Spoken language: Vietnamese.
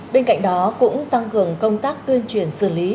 bên cạnh đó cũng tăng cường công tác tuyên truyền xử lý